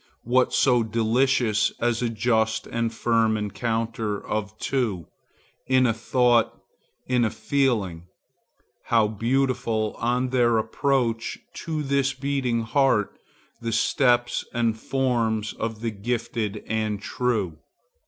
What so delicious as a just and firm encounter of two, in a thought, in a feeling? How beautiful, on their approach to this beating heart, the steps and forms of the gifted and the true!